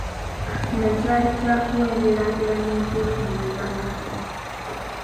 Kino kyali kyakuwa engeraageranya entuufu mu bubaka.